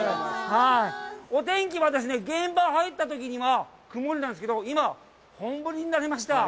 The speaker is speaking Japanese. お天気は現場に入ったときは曇りなんですけど、今、本降りになりました。